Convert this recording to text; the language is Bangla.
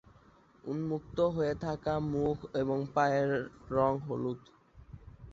উন্মুক্ত হয়ে থাকা মুখ এবং পা এর রঙ হলুদ।